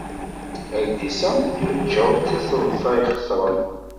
Adlis-a yeccuṛ d tiseḍsa ixeṣren.